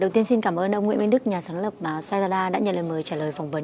đầu tiên xin cảm ơn ông nguyễn bến đức nhà sáng lập soezada đã nhận lời mời trả lời phỏng vấn